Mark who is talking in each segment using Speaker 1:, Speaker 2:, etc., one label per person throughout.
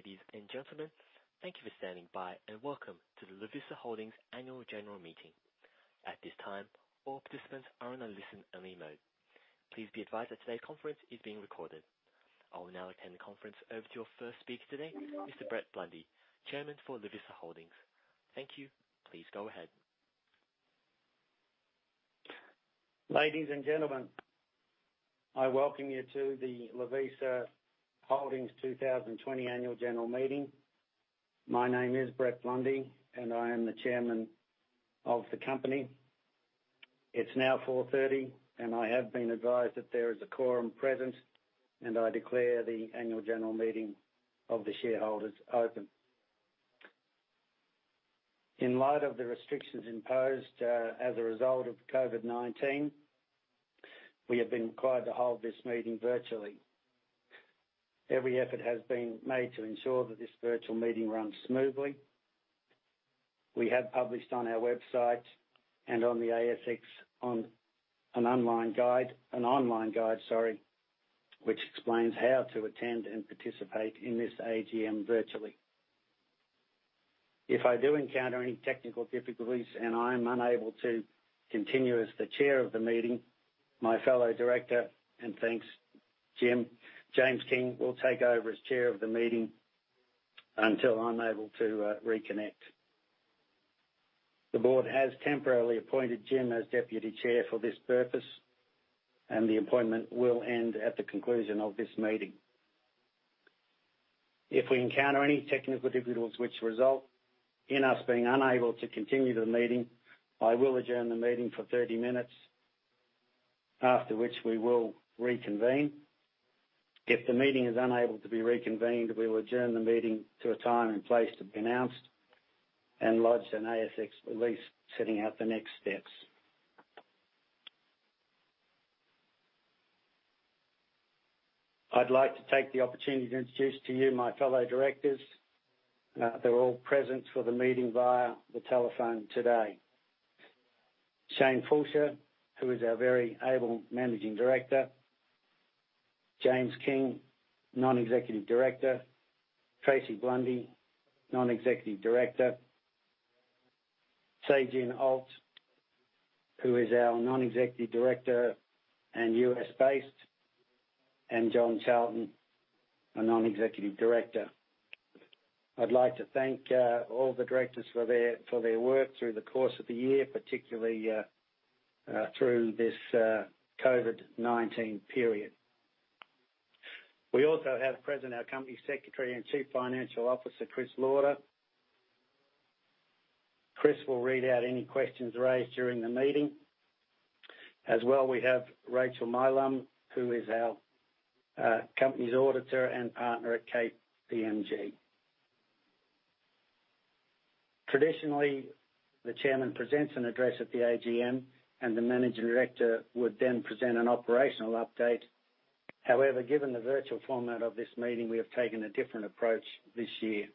Speaker 1: Ladies and gentlemen, thank you for standing by, and welcome to the Lovisa Holdings Annual General Meeting. At this time, all participants are in a listen-only mode. Please be advised that today's conference is being recorded. I will now hand the conference over to your first speaker today, Mr. Brett Blundy, Chairman for Lovisa Holdings. Thank you. Please go ahead.
Speaker 2: Ladies and gentlemen, I welcome you to the Lovisa Holdings 2020 Annual General Meeting. My name is Brett Blundy, and I am the Chairman of the company. It's now 4:30 P.M., and I have been advised that there is a quorum present, and I declare the annual general meeting of the shareholders open. In light of the restrictions imposed as a result of COVID-19, we have been required to hold this meeting virtually. Every effort has been made to ensure that this virtual meeting runs smoothly. We have published on our website and on the ASX an online guide which explains how to attend and participate in this AGM virtually. If I do encounter any technical difficulties and I am unable to continue as the chair of the meeting, my fellow director, and thanks, Jim, James King will take over as chair of the meeting until I'm able to reconnect. The board has temporarily appointed Jim as deputy chair for this purpose, and the appointment will end at the conclusion of this meeting. If we encounter any technical difficulties which result in us being unable to continue the meeting, I will adjourn the meeting for 30 minutes, after which we will reconvene. If the meeting is unable to be reconvened, we will adjourn the meeting to a time and place to be announced and lodge an ASX release setting out the next steps. I'd like to take the opportunity to introduce to you my fellow directors. They're all present for the meeting via the telephone today. Shane Fallscheer, who is our very able Managing Director. James King, Non-Executive Director. Tracey Blundy, Non-Executive Director. Sei Jin Alt, who is our Non-Executive Director and U.S.-based. John Charlton, a Non-Executive Director. I'd like to thank all the directors for their work through the course of the year, particularly through this COVID-19 period. We also have present our company secretary and financial officer, Chris Lauder. Chris will read out any questions raised during the meeting. As well, we have Rachel Milum, who is our company's auditor and partner at KPMG. Traditionally, the chairman presents an address at the AGM, and the managing director would then present an operational update. However, given the virtual format of this meeting, we have taken a different approach this year.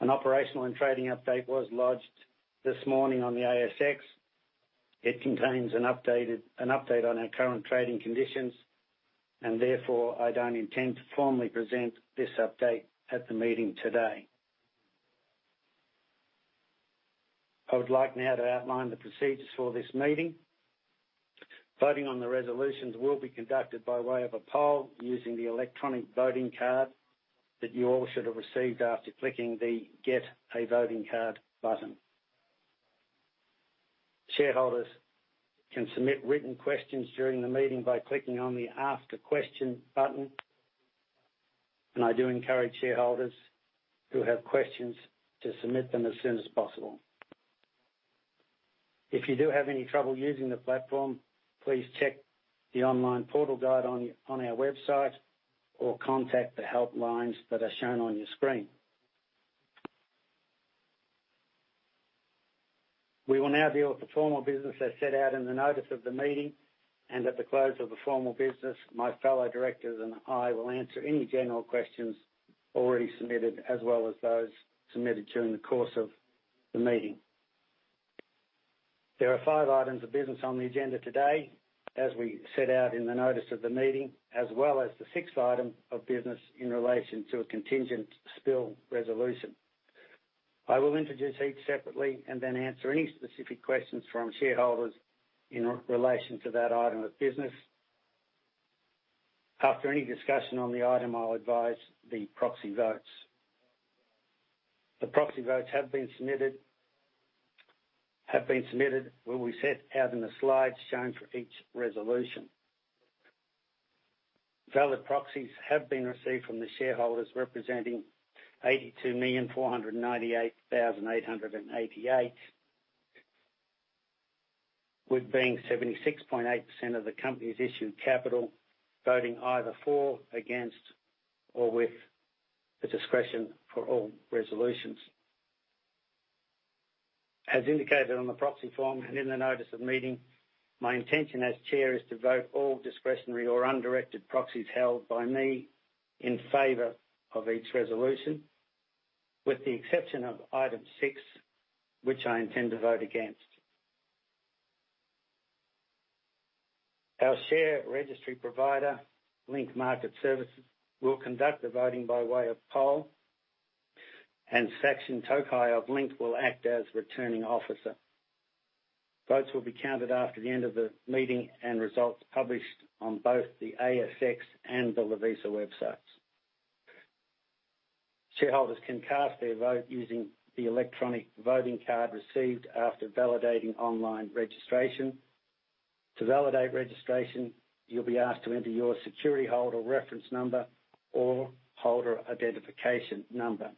Speaker 2: An operational and trading update was lodged this morning on the ASX. It contains an update on our current trading conditions, and therefore I don't intend to formally present this update at the meeting today. I would like now to outline the procedures for this meeting. Voting on the resolutions will be conducted by way of a poll using the electronic voting card that you all should have received after clicking the Get a Voting Card button. Shareholders can submit written questions during the meeting by clicking on the Ask a Question button, I do encourage shareholders who have questions to submit them as soon as possible. If you do have any trouble using the platform, please check the online portal guide on our website or contact the help lines that are shown on your screen. We will now deal with the formal business as set out in the notice of the meeting. At the close of the formal business, my fellow directors and I will answer any general questions already submitted as well as those submitted during the course of the meeting. There are five items of business on the agenda today, as we set out in the notice of the meeting, as well as the sixth item of business in relation to a contingent spill resolution. I will introduce each separately and then answer any specific questions from shareholders in relation to that item of business. After any discussion on the item, I will advise the proxy votes. The proxy votes have been submitted, will be set out in the slides shown for each resolution. Valid proxies have been received from the shareholders representing 82,498,888, with being 76.8% of the company's issued capital voting either for, against, or with the discretion for all resolutions. As indicated on the proxy form and in the notice of meeting, my intention as chair is to vote all discretionary or undirected proxies held by me in favor of each resolution, with the exception of item 6, which I intend to vote against. Our share registry provider, Link Market Services, will conduct the voting by way of poll, and Saxton Tokay of Link will act as returning officer. Votes will be counted after the end of the meeting and results published on both the ASX and the Lovisa websites. Shareholders can cast their vote using the electronic voting card received after validating online registration. To validate registration, you'll be asked to enter your security holder reference number or holder identification number,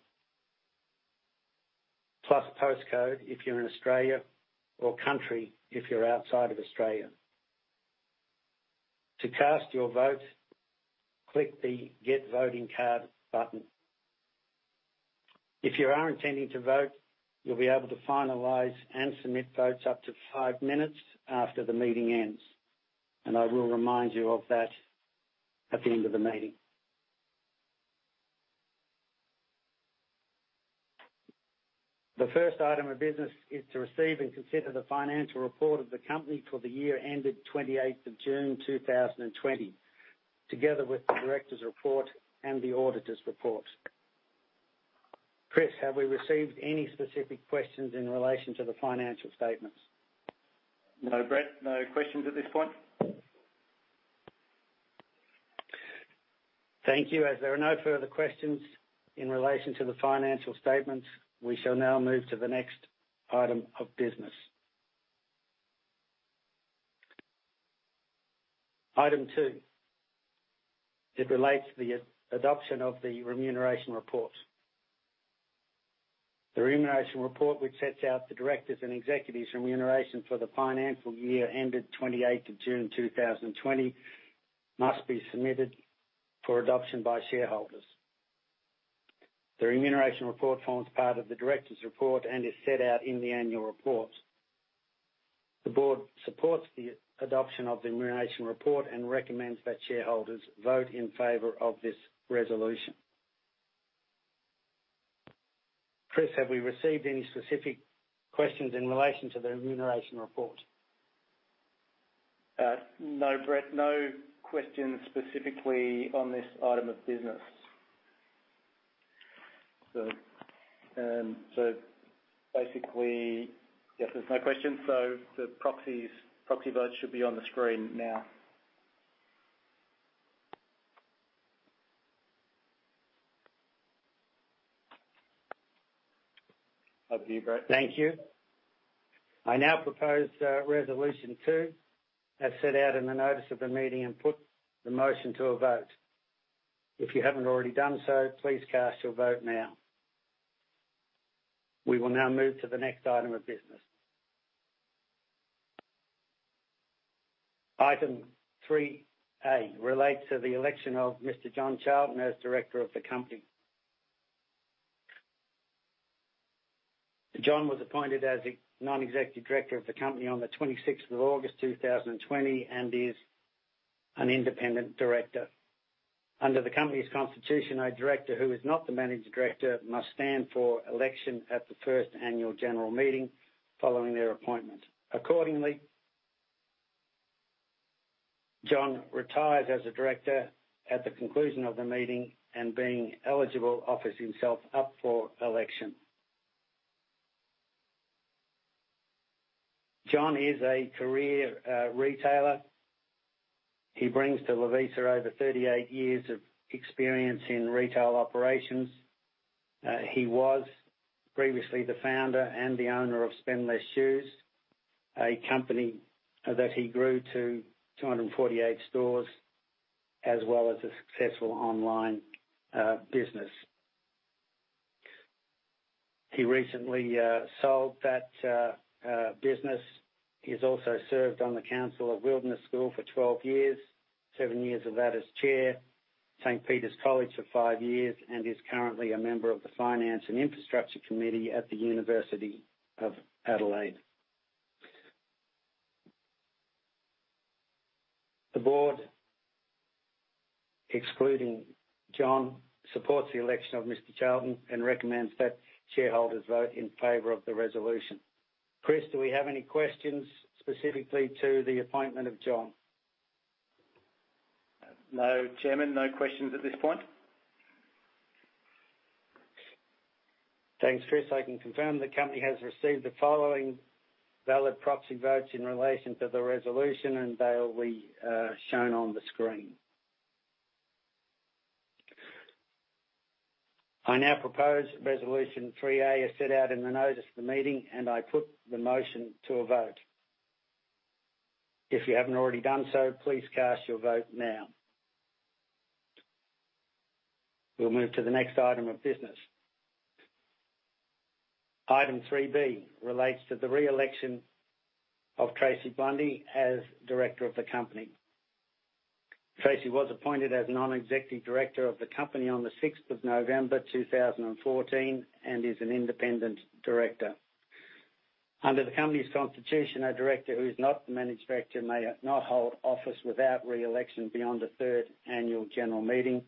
Speaker 2: plus postcode if you're in Australia, or country if you're outside of Australia. To cast your vote, click the Get Voting Card button. If you are intending to vote, you'll be able to finalize and submit votes up to five minutes after the meeting ends, and I will remind you of that at the end of the meeting. The first item of business is to receive and consider the financial report of the company for the year ended 28th of June 2020, together with the directors' report and the auditors' report. Chris, have we received any specific questions in relation to the financial statements?
Speaker 3: No, Brett. No questions at this point.
Speaker 2: Thank you. As there are no further questions in relation to the financial statements, we shall now move to the next item of business. Item two. It relates to the adoption of the remuneration report. The remuneration report, which sets out the directors' and executives' remuneration for the financial year ended 28th of June 2020 must be submitted for adoption by shareholders. The remuneration report forms part of the directors' report and is set out in the annual report. The board supports the adoption of the remuneration report and recommends that shareholders vote in favor of this resolution. Chris, have we received any specific questions in relation to the remuneration report?
Speaker 3: No, Brett. No questions specifically on this item of business. Basically, yes, there's no question. The proxy vote should be on the screen now. Over to you, Brett.
Speaker 2: Thank you. I now propose resolution two as set out in the notice of the meeting and put the motion to a vote. If you haven't already done so, please cast your vote now. We will now move to the next item of business. Item 3A relates to the election of Mr. John Charlton as director of the company. John was appointed as a non-executive director of the company on the 26th of August 2020 and is an independent director. Under the company's constitution, a director who is not the managing director must stand for election at the first annual general meeting following their appointment. Accordingly, John retires as a director at the conclusion of the meeting and being eligible, offers himself up for election. John is a career retailer. He brings to Lovisa over 38 years of experience in retail operations. He was previously the founder and the owner of Spendless Shoes, a company that he grew to 248 stores, as well as a successful online business. He recently sold that business. He has also served on the council of Wilderness School for 12 years, seven years of that as chair, St Peter's College for five years, and is currently a member of the Finance and Infrastructure Committee at the University of Adelaide. The board, excluding John, supports the election of Mr. Charlton and recommends that shareholders vote in favor of the resolution. Chris, do we have any questions specifically to the appointment of John?
Speaker 3: No, Chairman. No questions at this point.
Speaker 2: Thanks, Chris. I can confirm the company has received the following valid proxy votes in relation to the resolution. They will be shown on the screen. I now propose resolution 3A as set out in the notice of the meeting. I put the motion to a vote. If you haven't already done so, please cast your vote now. We'll move to the next item of business. Item three B relates to the re-election of Tracey Blundy as director of the company. Tracey was appointed as non-executive director of the company on the 6th of November 2014 and is an independent director. Under the company's constitution, a director who is not the managing director may not hold office without re-election beyond a third annual general meeting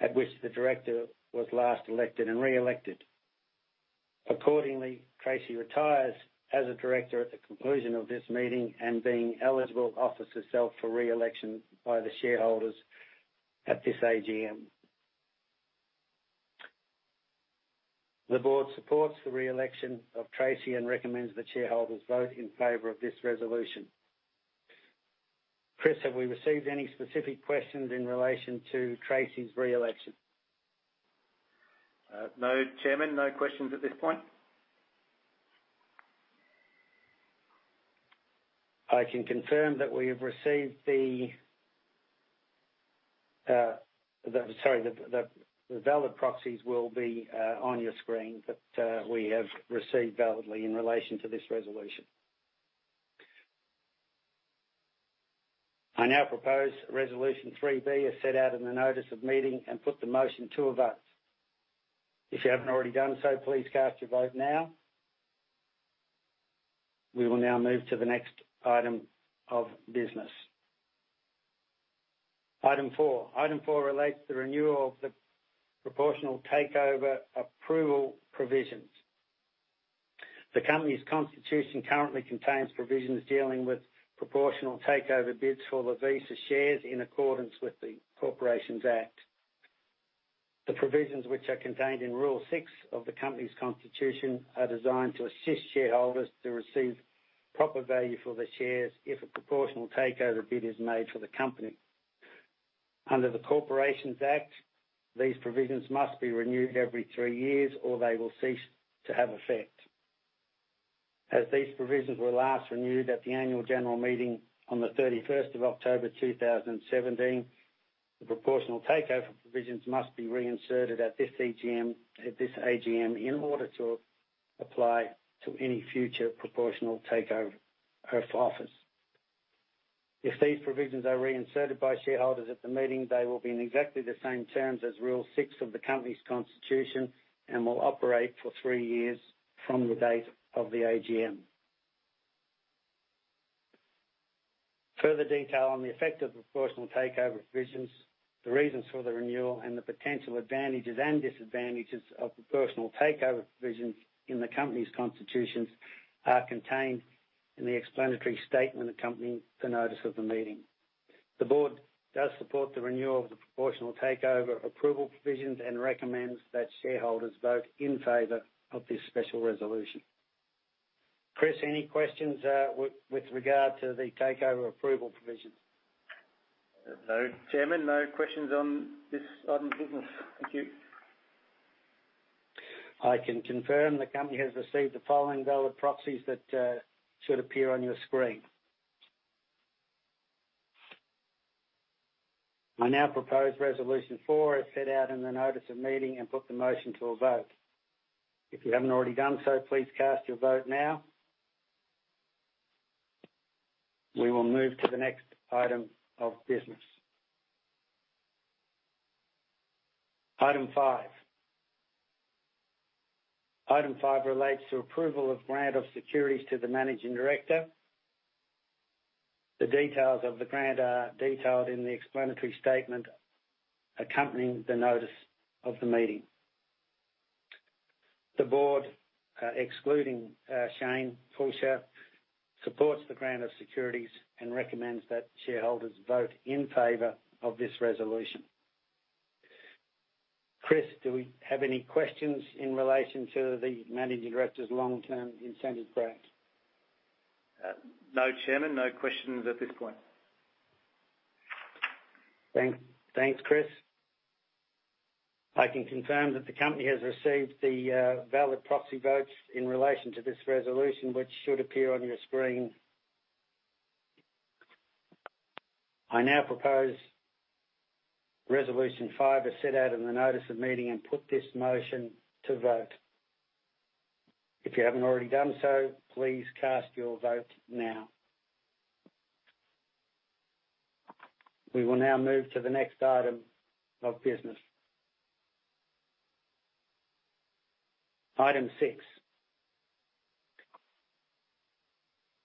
Speaker 2: at which the director was last elected and re-elected. Accordingly, Tracey retires as a director at the conclusion of this meeting and being eligible, offers herself for re-election by the shareholders at this AGM. The board supports the re-election of Tracey and recommends that shareholders vote in favor of this resolution. Chris, have we received any specific questions in relation to Tracey's re-election?
Speaker 3: No, Chairman, no questions at this point.
Speaker 2: I can confirm that the valid proxies will be on your screen that we have received validly in relation to this resolution. I now propose resolution 3B as set out in the notice of meeting and put the motion to a vote. If you haven't already done so, please cast your vote now. We will now move to the next item of business. Item four. Item four relates to renewal of the proportional takeover approval provisions. The company's constitution currently contains provisions dealing with proportional takeover bids for Lovisa shares in accordance with the Corporations Act. The provisions which are contained in Rule 6 of the company's constitution are designed to assist shareholders to receive proper value for their shares if a proportional takeover bid is made for the company. Under the Corporations Act, these provisions must be renewed every three years, or they will cease to have effect. As these provisions were last renewed at the annual general meeting on the 31st of October 2017, the proportional takeover provisions must be reinserted at this AGM in order to apply to any future proportional takeover offers. If these provisions are reinserted by shareholders at the meeting, they will be in exactly the same terms as Rule 6 of the company's constitution and will operate for three years from the date of the AGM. Further detail on the effect of the proportional takeover provisions, the reasons for the renewal, and the potential advantages and disadvantages of the proportional takeover provisions in the company's constitutions are contained in the explanatory statement accompanying the notice of the meeting. The board does support the renewal of the proportional takeover approval provisions and recommends that shareholders vote in favor of this special resolution. Chris, any questions with regard to the takeover approval provisions?
Speaker 3: No, Chairman, no questions on this item of business. Thank you.
Speaker 2: I can confirm the company has received the following valid proxies that should appear on your screen. I now propose resolution 4 as set out in the notice of meeting and put the motion to a vote. If you haven't already done so, please cast your vote now. We will move to the next item of business. Item 5. Item 5 relates to approval of grant of securities to the managing director. The details of the grant are detailed in the explanatory statement accompanying the notice of the meeting. The board, excluding Shane Fallscheer, supports the grant of securities and recommends that shareholders vote in favor of this resolution. Chris, do we have any questions in relation to the Managing Director's long-term incentives grant?
Speaker 3: No, Chairman, no questions at this point.
Speaker 2: Thanks, Chris. I can confirm that the company has received the valid proxy votes in relation to this resolution, which should appear on your screen. I now propose resolution five as set out in the notice of meeting and put this motion to vote. If you haven't already done so, please cast your vote now. We will now move to the next item of business. Item six.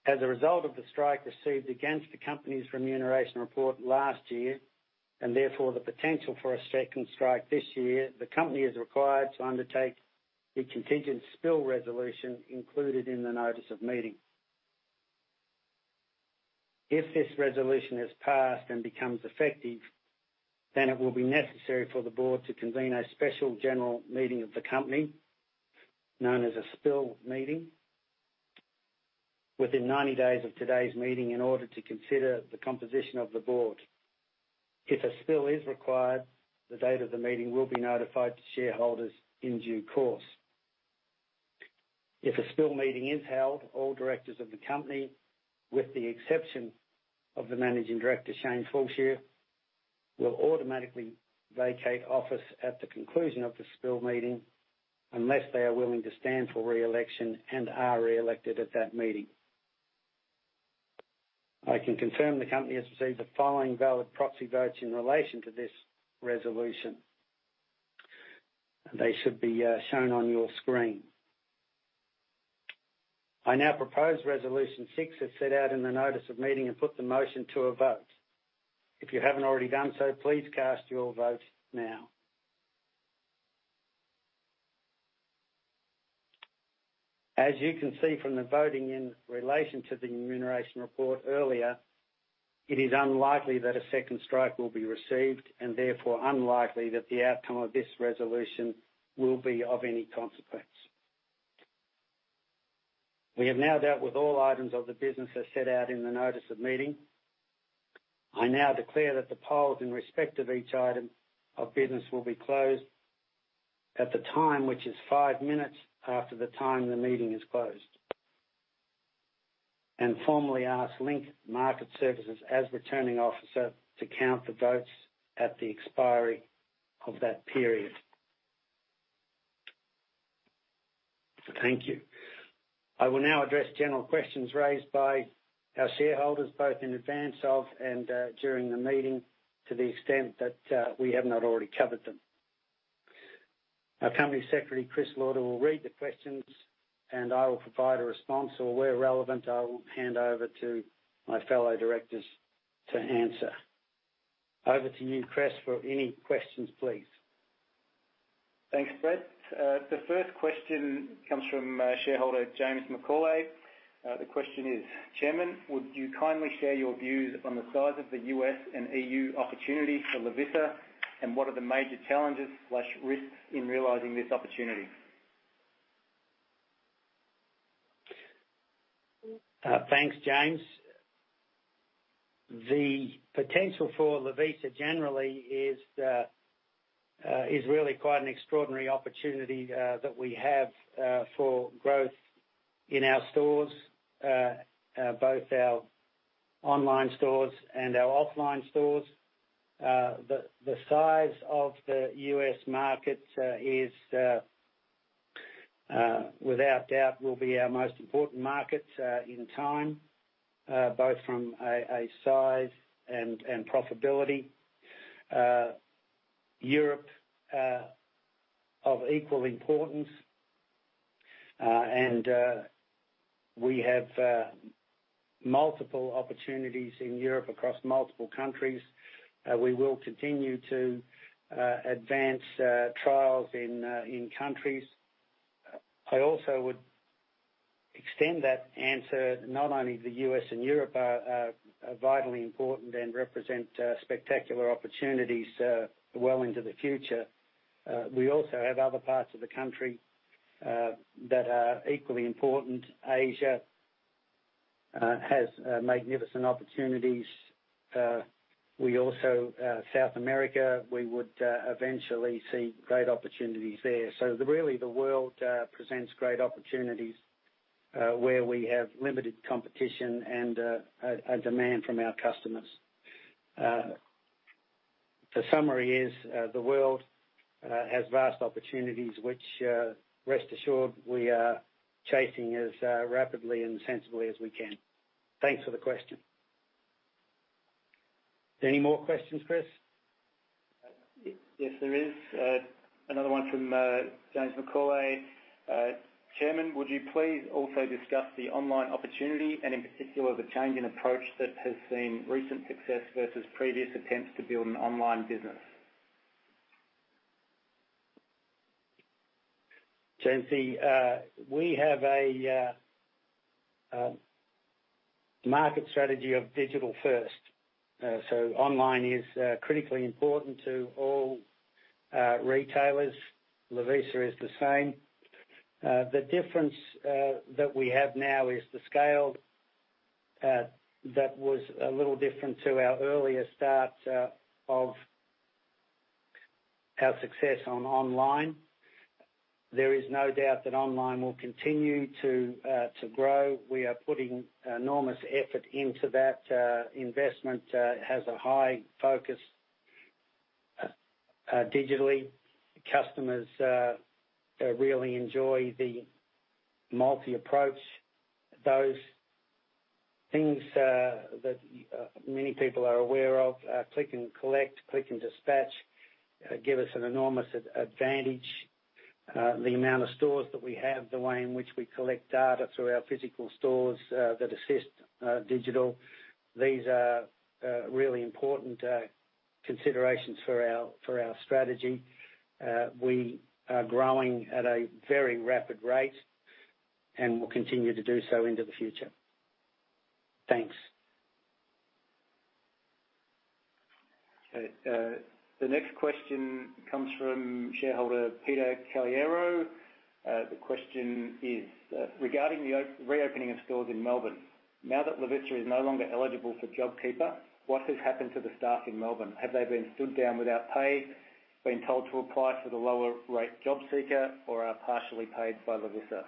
Speaker 2: As a result of the strike received against the company's remuneration report last year, and therefore the potential for a second strike this year, the company is required to undertake the contingent spill resolution included in the notice of meeting. If this resolution is passed and becomes effective, then it will be necessary for the board to convene a special general meeting of the company, known as a spill meeting, within 90 days of today's meeting in order to consider the composition of the board. If a spill is required, the date of the meeting will be notified to shareholders in due course. If a spill meeting is held, all directors of the company, with the exception of the managing director, Shane Fallscheer, will automatically vacate office at the conclusion of the spill meeting unless they are willing to stand for re-election and are re-elected at that meeting. I can confirm the company has received the following valid proxy votes in relation to this resolution. They should be shown on your screen. I now propose resolution six as set out in the Notice of Meeting and put the motion to a vote. If you haven't already done so, please cast your vote now. As you can see from the voting in relation to the Remuneration Report earlier, it is unlikely that a second strike will be received, and therefore unlikely that the outcome of this resolution will be of any consequence. We have now dealt with all items of the business as set out in the Notice of Meeting. I now declare that the polls in respect of each item of business will be closed at the time, which is five minutes after the time the meeting is closed. Formally ask Link Market Services as Returning Officer to count the votes at the expiry of that period. Thank you. I will now address general questions raised by our shareholders, both in advance of and during the meeting, to the extent that we have not already covered them. Our Company Secretary, Chris Lauder, will read the questions and I will provide a response, or where relevant, I will hand over to my fellow directors to answer. Over to you, Chris, for any questions, please.
Speaker 3: Thanks, Brett. The first question comes from shareholder James McCauley. The question is, "Chairman, would you kindly share your views on the size of the U.S. and EU opportunity for Lovisa, and what are the major challenges/risks in realizing this opportunity?
Speaker 2: Thanks, James. The potential for Lovisa generally is really quite an extraordinary opportunity that we have for growth in our stores, both our online stores and our offline stores. The size of the U.S. market, without a doubt, will be our most important market in time, both from a size and profitability. Europe, of equal importance. We have multiple opportunities in Europe across multiple countries. We will continue to advance trials in countries. I also would extend that answer, not only the U.S. and Europe are vitally important and represent spectacular opportunities well into the future. We also have other parts of the country that are equally important. Asia has magnificent opportunities. South America, we would eventually see great opportunities there. Really, the world presents great opportunities where we have limited competition and a demand from our customers. The summary is, the world has vast opportunities, which rest assured we are chasing as rapidly and sensibly as we can. Thanks for the question. Any more questions, Chris?
Speaker 3: Yes, there is. Another one from James McCauley. "Chairman, would you please also discuss the online opportunity and in particular the change in approach that has seen recent success versus previous attempts to build an online business?
Speaker 2: James, we have a market strategy of digital first. Online is critically important to all retailers. Lovisa is the same. The difference that we have now is the scale that was a little different to our earlier start of our success on online. There is no doubt that online will continue to grow. We are putting enormous effort into that. Investment has a high focus digitally. Customers really enjoy the multi-approach. Those things that many people are aware of, click and collect, click and dispatch, give us an enormous advantage. The amount of stores that we have, the way in which we collect data through our physical stores that assist digital. These are really important considerations for our strategy. We are growing at a very rapid rate and will continue to do so into the future. Thanks.
Speaker 3: Okay. The next question comes from shareholder Peter Caliero. The question is, "Regarding the reopening of stores in Melbourne, now that Lovisa is no longer eligible for JobKeeper, what has happened to the staff in Melbourne? Have they been stood down without pay, been told to apply for the lower rate JobSeeker, or are partially paid by Lovisa?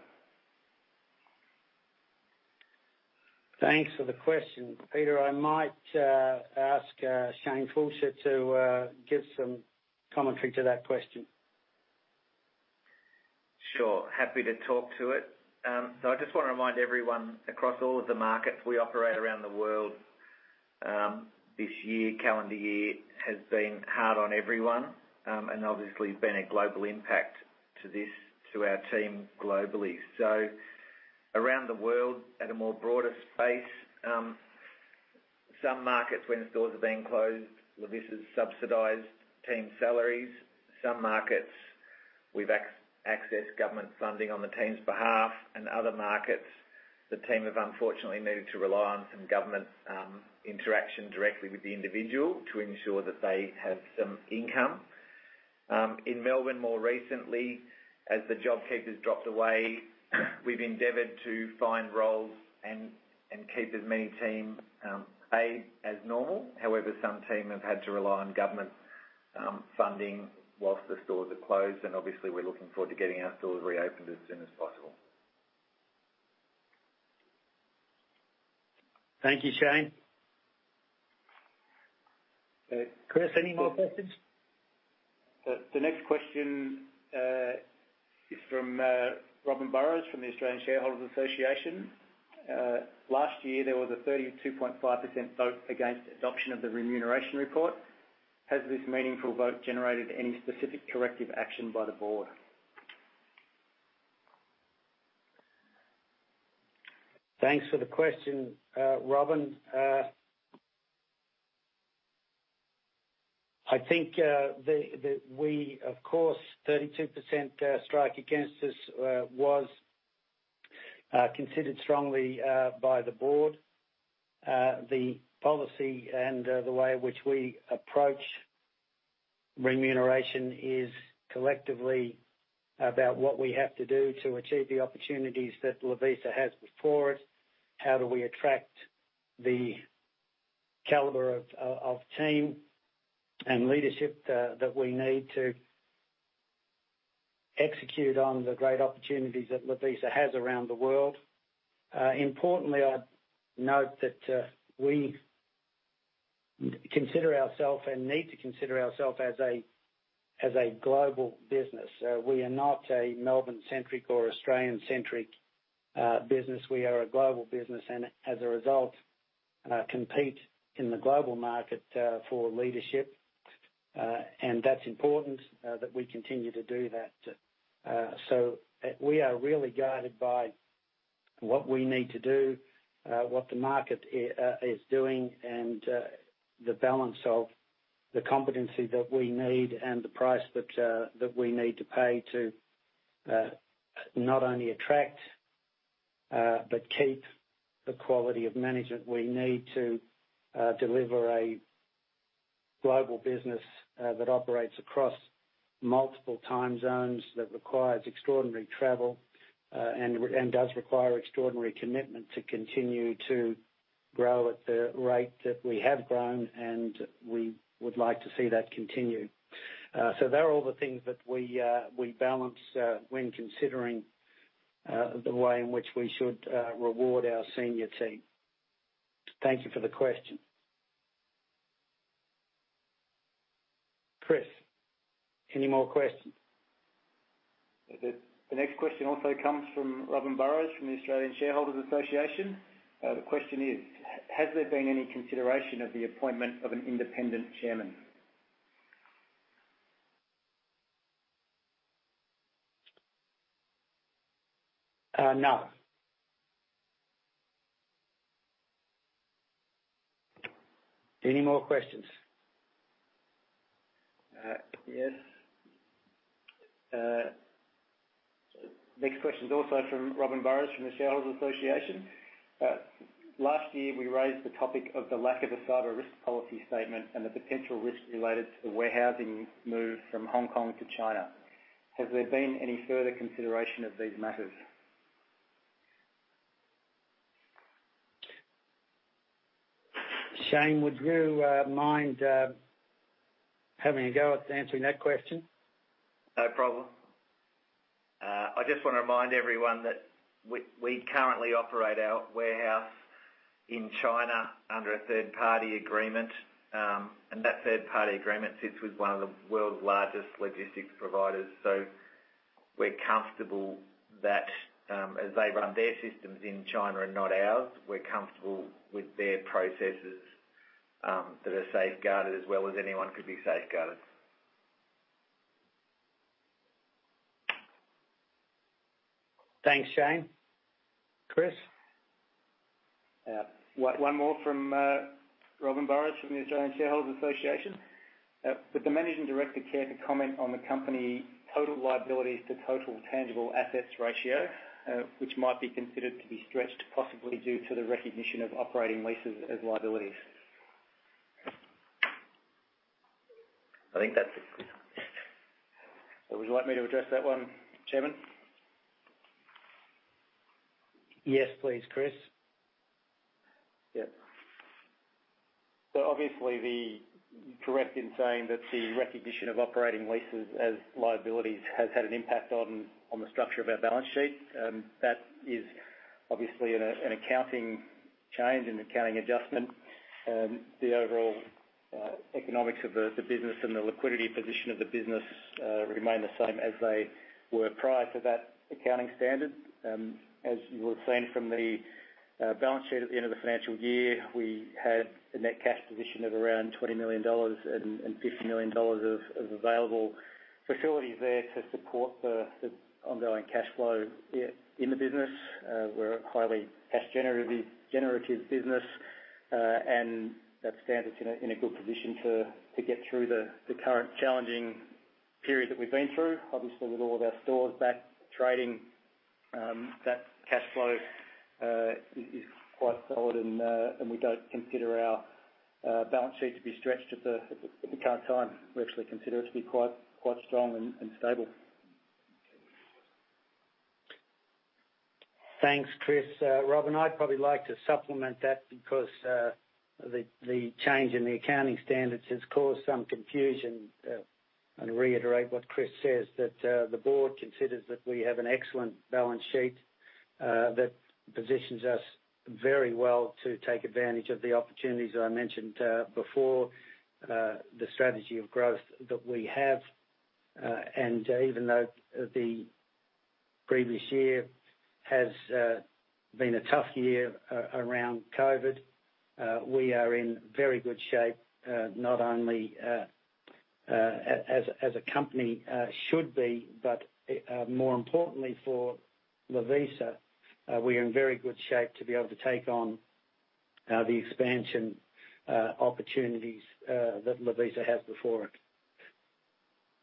Speaker 2: Thanks for the question. Peter, I might ask Shane Fallscheer to give some commentary to that question.
Speaker 4: Sure. Happy to talk to it. I just want to remind everyone, across all of the markets we operate around the world. This year, calendar year has been hard on everyone, and obviously there's been a global impact to our team globally. Around the world, at a more broader space, some markets when stores are being closed, Lovisa's subsidized team salaries. Some markets we've accessed government funding on the team's behalf. Other markets the team have unfortunately needed to rely on some government interaction directly with the individual to ensure that they have some income. In Melbourne, more recently, as the JobKeeper's dropped away, we've endeavored to find roles and keep as many team paid as normal. However, some team have had to rely on government funding whilst the stores are closed. Obviously we're looking forward to getting our stores reopened as soon as possible.
Speaker 2: Thank you, Shane. Chris, any more questions?
Speaker 3: The next question is from Robin Burrows from the Australian Shareholders' Association. Last year there was a 32.5% vote against adoption of the remuneration report. Has this meaningful vote generated any specific corrective action by the board?
Speaker 2: Thanks for the question, Robin. I think, of course, 32% strike against us was considered strongly by the board. The policy and the way in which we approach remuneration is collectively about what we have to do to achieve the opportunities that Lovisa has before it, how do we attract the caliber of team and leadership that we need to execute on the great opportunities that Lovisa has around the world. Importantly, I'd note that we consider ourself and need to consider ourself as a global business. We are not a Melbourne-centric or Australian-centric business. We are a global business, and as a result, compete in the global market for leadership. That's important that we continue to do that. We are really guided by what we need to do, what the market is doing, and the balance of the competency that we need and the price that we need to pay to not only attract but keep the quality of management we need to deliver a global business that operates across multiple time zones, that requires extraordinary travel, and does require extraordinary commitment to continue to grow at the rate that we have grown, and we would like to see that continue. They're all the things that we balance when considering the way in which we should reward our senior team. Thank you for the question. Chris, any more questions?
Speaker 3: The next question also comes from Robin Burrows from the Australian Shareholders' Association. The question is: Has there been any consideration of the appointment of an independent chairman?
Speaker 2: No. Any more questions?
Speaker 3: Yes. Next question is also from Robin Burrows from the Shareholders' Association. Last year, we raised the topic of the lack of a cyber risk policy statement and the potential risk related to the warehousing move from Hong Kong to China. Has there been any further consideration of these matters?
Speaker 2: Shane, would you mind having a go at answering that question?
Speaker 4: No problem. I just want to remind everyone that we currently operate our warehouse in China under a third-party agreement. That third-party agreement sits with one of the world's largest logistics providers. We're comfortable that as they run their systems in China and not ours, we're comfortable with their processes that are safeguarded as well as anyone could be safeguarded.
Speaker 2: Thanks, Shane. Chris?
Speaker 3: One more from Robin Burrows from the Australian Shareholders' Association. Would the managing director care to comment on the company total liabilities to total tangible assets ratio, which might be considered to be stretched possibly due to the recognition of operating leases as liabilities? I think, would you like me to address that one, Chairman?
Speaker 2: Yes, please, Chris.
Speaker 3: Yep. Obviously you're correct in saying that the recognition of operating leases as liabilities has had an impact on the structure of our balance sheet. That is obviously an accounting change, an accounting adjustment. The overall The economics of the business and the liquidity position of the business remain the same as they were prior to that accounting standard. As you would have seen from the balance sheet at the end of the financial year, we had a net cash position of around 20 million dollars and 50 million dollars of available facilities there to support the ongoing cash flow in the business. We're a highly cash-generative business. That stands us in a good position to get through the current challenging period that we've been through. Obviously, with all of our stores back trading, that cash flow is quite solid and we don't consider our balance sheet to be stretched at the current time. We actually consider it to be quite strong and stable.
Speaker 2: Thanks, Chris. Robin, I'd probably like to supplement that because the change in the accounting standards has caused some confusion. Reiterate what Chris says, that the board considers that we have an excellent balance sheet that positions us very well to take advantage of the opportunities that I mentioned before, the strategy of growth that we have. Even though the previous year has been a tough year around COVID-19, we are in very good shape, not only as a company should be, but more importantly for Lovisa, we are in very good shape to be able to take on the expansion opportunities that Lovisa has before it.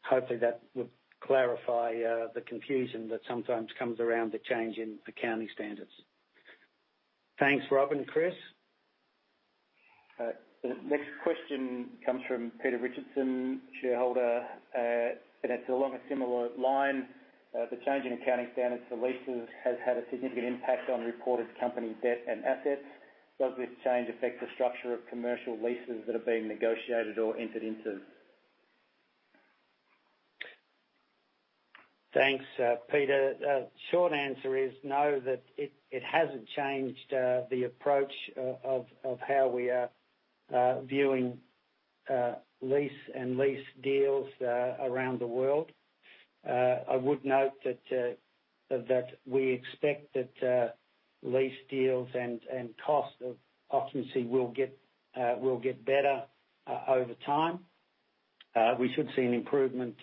Speaker 2: Hopefully, that would clarify the confusion that sometimes comes around the change in accounting standards. Thanks, Robin. Chris?
Speaker 3: The next question comes from Peter Richardson, shareholder. It's along a similar line. The change in accounting standards for leases has had a significant impact on reported company debt and assets. Does this change affect the structure of commercial leases that are being negotiated or entered into?
Speaker 2: Thanks, Peter. Short answer is no, that it hasn't changed the approach of how we are viewing lease and lease deals around the world. I would note that we expect that lease deals and cost of occupancy will get better over time. We should see an improvement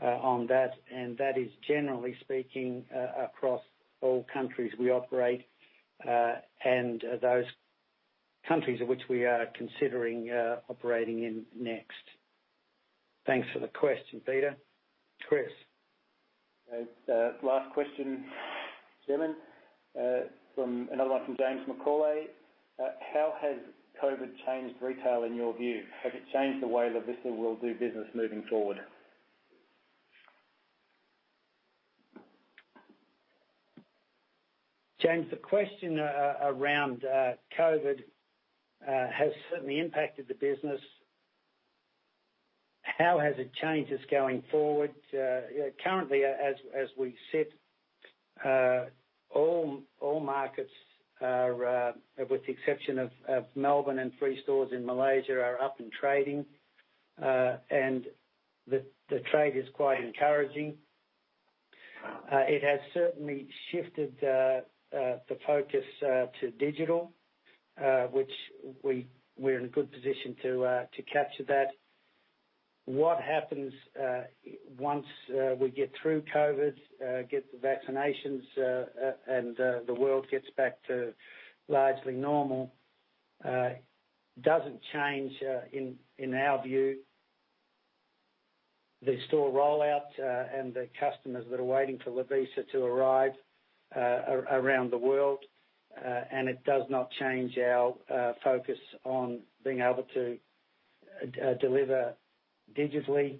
Speaker 2: on that. That is generally speaking across all countries we operate and those countries in which we are considering operating in next. Thanks for the question, Peter. Chris.
Speaker 3: Last question, Chairman. Another one from James McCauley. How has COVID changed retail in your view? Has it changed the way Lovisa will do business moving forward?
Speaker 2: James, the question around COVID-19 has certainly impacted the business. How has it changed us going forward? Currently, as we sit, all markets are, with the exception of Melbourne and three stores in Malaysia, are up and trading, and the trade is quite encouraging. It has certainly shifted the focus to digital, which we're in a good position to capture that. What happens once we get through COVID-19, get the vaccinations, and the world gets back to largely normal, doesn't change, in our view, the store rollout and the customers that are waiting for Lovisa to arrive around the world. It does not change our focus on being able to deliver digitally,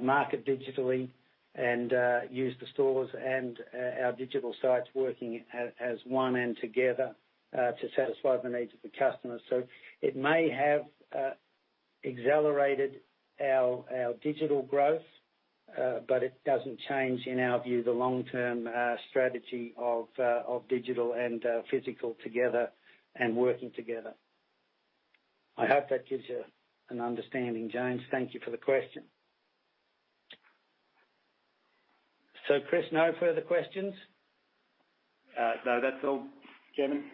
Speaker 2: market digitally, and use the stores and our digital sites working as one and together to satisfy the needs of the customers. It may have accelerated our digital growth, but it doesn't change, in our view, the long-term strategy of digital and physical together and working together. I hope that gives you an understanding, James. Thank you for the question. Chris, no further questions?
Speaker 3: No, that's all, Chairman.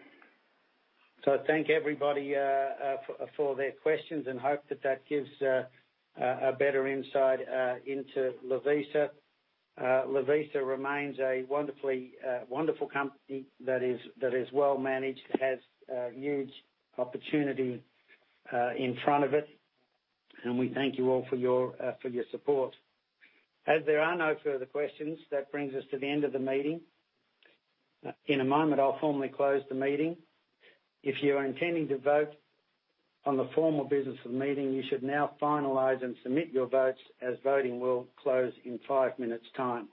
Speaker 2: I thank everybody for their questions and hope that that gives a better insight into Lovisa. Lovisa remains a wonderful company that is well managed, has huge opportunity in front of it, and we thank you all for your support. There are no further questions, that brings us to the end of the meeting. In a moment, I'll formally close the meeting. If you are intending to vote on the formal business of the meeting, you should now finalize and submit your votes as voting will close in five minutes' time.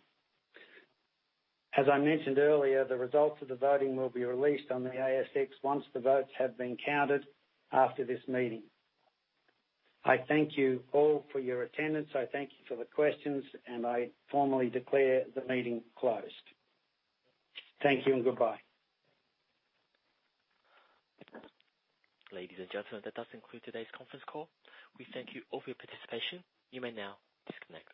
Speaker 2: I mentioned earlier, the results of the voting will be released on the ASX once the votes have been counted after this meeting. I thank you all for your attendance. I thank you for the questions, and I formally declare the meeting closed. Thank you and goodbye.
Speaker 1: Ladies and gentlemen, that does conclude today's conference call. We thank you all for your participation. You may now disconnect.